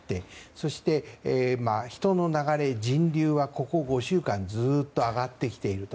そして人の流れ、人流はここ５週間ずっと上がってきていると。